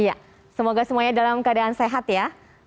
iya semoga semuanya dalam keadaan sehat ya